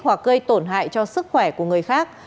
hoặc gây tổn hại cho sức khỏe của người khác